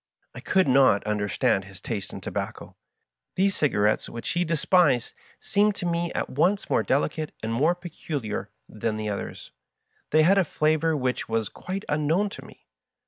I could not understand his taste in tobacco. These cigarettes which he de spised seemed to me at once more delicate and more peculiar than the others. They had a flavor whichwas quite unknown to me.